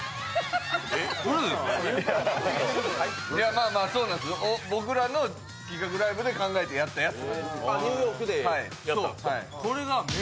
まぁ、まぁ、そうなんです、僕らのライブで考えたやつ。